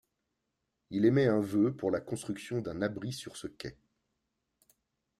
Il émet un vœu pour la construction d'un abri sur ce quai.